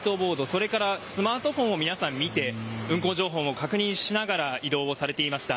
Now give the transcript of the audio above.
それからスマートフォンを見て運行情報を確認しながら移動をされていました。